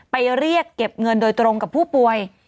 เรียกเก็บเงินโดยตรงกับผู้ป่วย